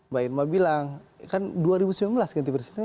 mbak irma bilang kan dua ribu sembilan belas ganti presiden